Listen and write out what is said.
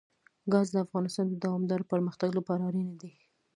ګاز د افغانستان د دوامداره پرمختګ لپاره اړین دي.